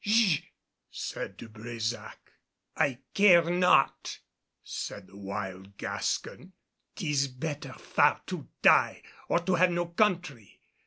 "Sh " said De Brésac. "I care not," said the wild Gascon. "'Tis better far to die, or to have no country.